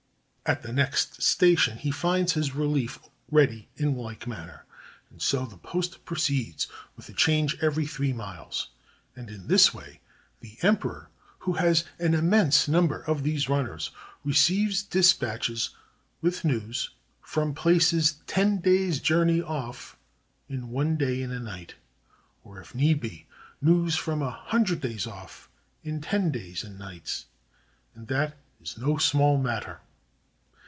At the next station he finds his relief ready in like manner; and so the post proceeds, with a change every three miles. And in this way the emperor, who has an immense number of these runners, receives dispatches with news from places ten days' journey off in one day and night; or, if need be, news from a hundred days off in ten days and nights; and that is no small matter!